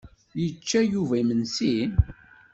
Yečča Yuba imensi?